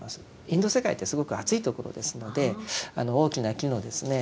インド世界ってすごく暑いところですので大きな木のですね